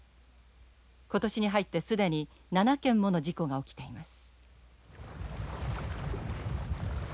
今年に入って既に７件もの事故が起きています。